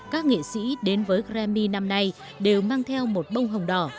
các nghệ sĩ đến với grami năm nay đều mang theo một bông hồng đỏ